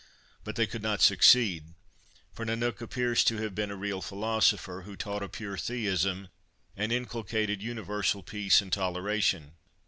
But they could not succeed, for Nanuk appears to have been a real philosopher, who taught a pure theism, and inculcated universal peace and toleration.